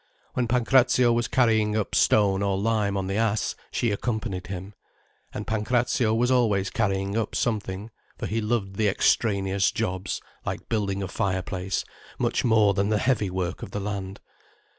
When Pancrazio was carrying up stone or lime on the ass, she accompanied him. And Pancrazio was always carrying up something, for he loved the extraneous jobs like building a fire place much more than the heavy work of the land.